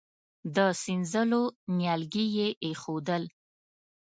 د سينځلو نيالګي يې اېښودل.